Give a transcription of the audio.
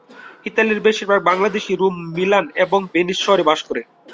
ইতালির বেশিরভাগ Bangladeshi Rome, Milan এবং ভেনিস শহরে বাস করে।